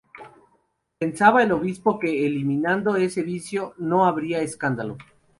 Pensaba el obispo que eliminando ese vicio, no habría escándalo.